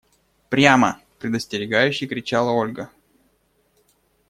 – Прямо! – предостерегающе кричала Ольга.